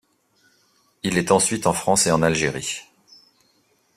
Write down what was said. Il est ensuite en France et en Algérie.